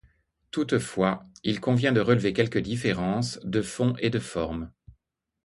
Toutefois, il convient de relever quelques différences, de fonds et de forme.